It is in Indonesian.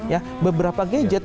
ya beberapa gadget